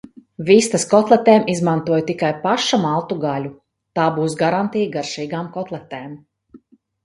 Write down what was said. Vistas kotletēm izmantoju tikai paša maltu gaļu, tā būs garantija garšīgām kotletēm.